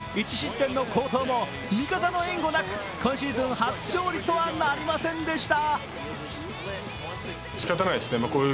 ダルビッシュは７回１２奪三振１失点の好投も味方の援護なく今シーズン初勝利とはなりませんでした。